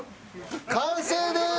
完成です！